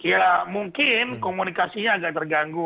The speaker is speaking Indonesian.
ya mungkin komunikasinya agak terganggu